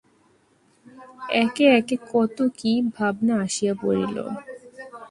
একে একে কত কী ভাবনা আসিয়া পড়িল।